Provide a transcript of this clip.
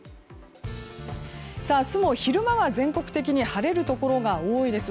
明日も昼間は全国的に晴れるところが多いです。